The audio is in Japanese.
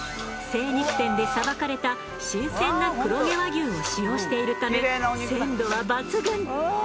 精肉店でさばかれた新鮮な黒毛和牛を使用しているため鮮度は抜群！